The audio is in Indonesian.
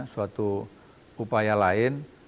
suatu upaya lain